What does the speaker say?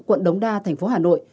quận đống đa tp hà nội